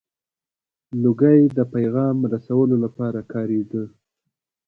• لوګی د پیغام رسولو لپاره کارېده.